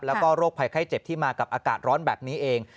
แล้วก็โรคภัยไข้เจ็บที่มากับอากาศร้อนแบบนี้เอง